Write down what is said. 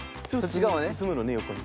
すすむのね横に。